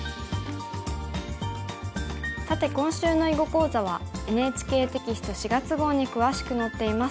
さて今週の囲碁講座はＮＨＫテキスト４月号に詳しく載っています。